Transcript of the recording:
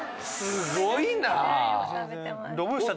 すごいなぁ！